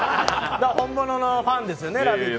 本物のファンですよね、「ラヴィット！」